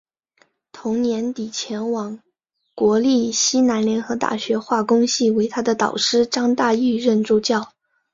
同年底前往国立西南联合大学化工系为他的导师张大煜任助教。